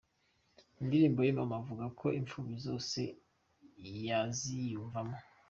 Indirimbo ye Mama avuga ko imfubyi zose ziyiyumvamo.